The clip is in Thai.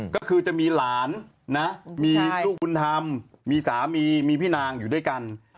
ก็คือจะมีหลานนะมีลูกบุญธรรมมีสามีมีพี่นางอยู่ด้วยกัน